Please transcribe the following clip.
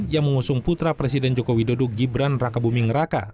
yang mengusung putra presiden joko widodo gibran rakabuming raka